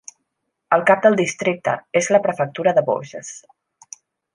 El cap del districte és la prefectura de Bourges.